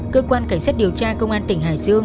cơ quan cảnh sát điều tra công an tỉnh hải dương